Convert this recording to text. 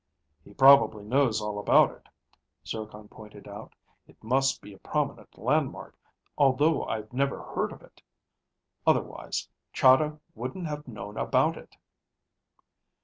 "He probably knows all about it," Zircon pointed out. "It must be a prominent landmark, although I've never heard of it. Otherwise, Chahda wouldn't have known about it."